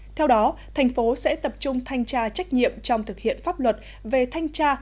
theo đó thành phố sẽ tập trung thanh tra trách nhiệm trong thực hiện pháp luật về thanh tra